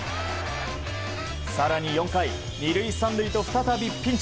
更に４回、２塁３塁と再びピンチ。